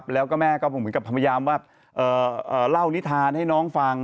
แล้วแม่ก็หมุนกว่าพยายามเล่านิทานให้น้องฟัง